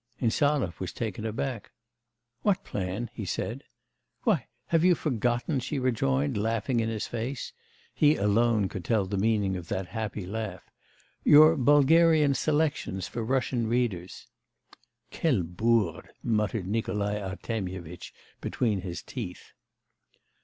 Insarov was taken aback. 'What plan?' he said. 'Why, have you forgotten?' she rejoined, laughing in his face; he alone could tell the meaning of that happy laugh: 'Your Bulgarian selections for Russian readers?' 'Quelle bourde!' muttered Nikolai Artemyevitch between his teeth.